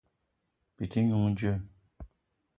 Bi te n'noung djeu?